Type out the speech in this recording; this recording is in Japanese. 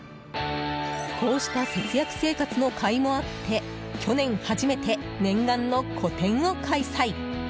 こうした節約生活のかいもあって去年、初めて念願の個展を開催。